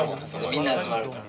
みんな集まるから。